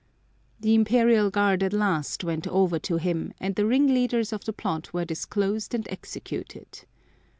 The Imperial Guard at last went over to him and the ringleaders of the plot were disclosed and executed.